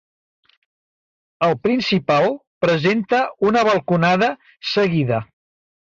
El principal presenta una balconada seguida.